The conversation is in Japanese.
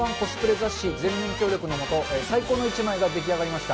雑誌全面協力の下、最高の一枚が出来上がりました。